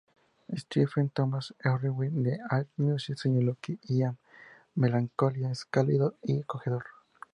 Stephen Thomas Erlewine de Allmusic señaló que "l"a melancolía es cálido y acogedor.